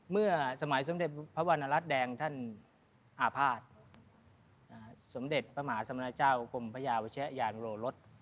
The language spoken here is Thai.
เมื่อสมัยสมเด็จพระวันรัฐแดงท่านอภาสสมเด็จประหมาสมรรจาวกลมพระยาวชะยานโรรศ